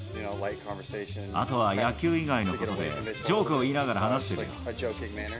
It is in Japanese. あとは野球以外のことで、ジョークを言いながら話してるよ。